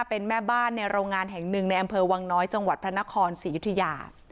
เป็นแม่บ้านในโรงงานแห่งหนึ่งในอำเภอวังน้อยจังหวัดพระนครศรียุธยา